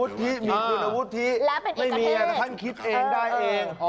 ที่มีคุณอาวุธที่ไม่มีแต่ท่านคิดเองได้เอง